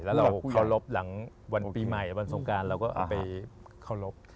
แล้วเราเคารพหลังวันปีใหม่วันสงการเราก็เอาไปเคารพ